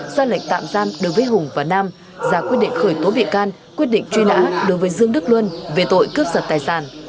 ra lệnh tạm giam đối với hùng và nam ra quyết định khởi tố bị can quyết định truy nã đối với dương đức luân về tội cướp giật tài sản